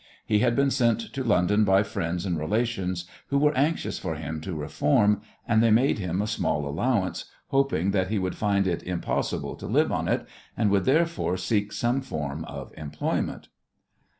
He had been sent to London by friends and relations who were anxious for him to reform, and they made him a small allowance, hoping that he would find it impossible to live on it, and would, therefore, seek some form of employment.